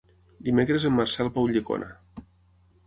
Dimecres en Marcel va a Ulldecona.